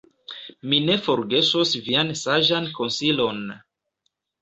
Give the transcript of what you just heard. Mi ne forgesos vian saĝan konsilon.